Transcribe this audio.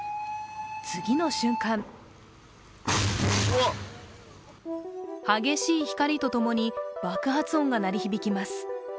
次の瞬間激しい光と共に爆発音が鳴り響きます。